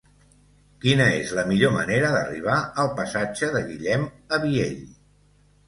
Quina és la millor manera d'arribar al passatge de Guillem Abiell?